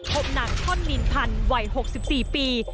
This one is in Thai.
พบนางท่อนนินพันธ์วัย๖๔ปี